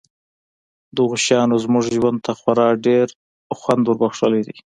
دغو شیانو زموږ ژوند ته خورا ډېر خوند وربښلی دی